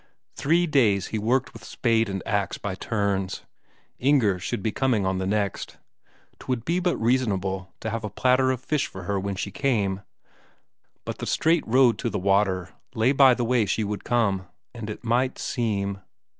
Three days he worked with spade and ax by turns; Inger should be coming on the next. 'Twould be but reasonable to have a platter of fish for her when she came but the straight road to the water lay by the way she would come, and it might seem....